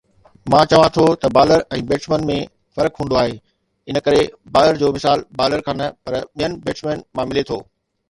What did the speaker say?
مان چوان ٿو ته بالر ۽ بيٽسمين ۾ فرق هوندو آهي. ان ڪري بالر جو مثال بالر کان نه پر ٻن بيٽسمينن مان ملي ٿو